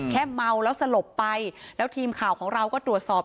เมาแล้วสลบไปแล้วทีมข่าวของเราก็ตรวจสอบ